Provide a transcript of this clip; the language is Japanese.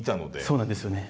そうなんですよね。